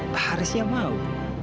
pak haris yang mau